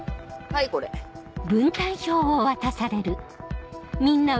はいこれ。